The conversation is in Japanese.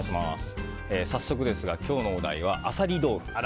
早速ですが今日のお題はアサリ豆腐です。